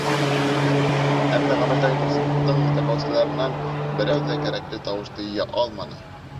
Әммә ғәмәлдәге президенттың дәғүәселәренән берәү ҙә кәрәкле тауышты йыя алманы.